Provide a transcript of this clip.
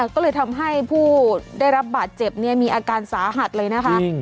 ก็เลยทำให้ผู้ได้รับบาดเจ็บมีอาการสาหัสเลยนะคะ